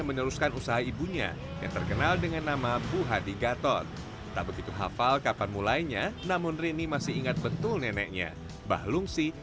menurut ketua program studi industri manajemen catering upi